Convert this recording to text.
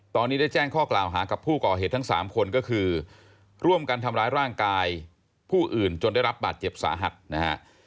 ตอนนี้ได้แจ้งข้อกล่าวหากับผู้ก่อเหตุทั้ง๓คนก็คือร่วมกันทำร้ายร่างกายผู้อื่นจนได้รับบาดเจ็บสาหัสนะฮะ